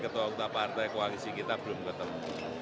tapi ada kemungkinan bergabung